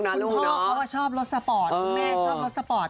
คุณพ่อเพราะชอบลดสปอร์ตแม่เพราะชอบลดสปอร์ต